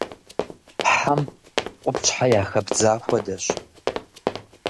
Хьэм къупщхьэ яхэбдза хуэдэщ.